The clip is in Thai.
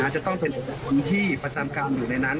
จะต้องเป็นคนที่ประจำการอยู่ในนั้น